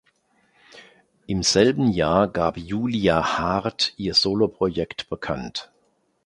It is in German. Im selben Jahr gab Julia Heart ihr Soloprojekt bekannt.